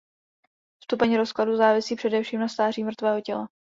Stupeň rozkladu závisí především na stáří mrtvého těla.